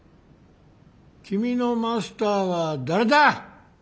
君のマスターは誰だ！